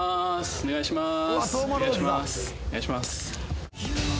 お願いします。